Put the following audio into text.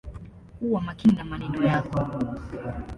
Kuwa makini na maneno yako.